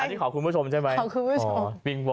อันนี้ขอคุณผู้ชมใช่มั้ยขอคุณผู้ชม